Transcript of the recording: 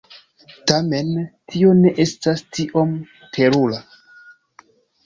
Tamen, tio ne estas tiom terura.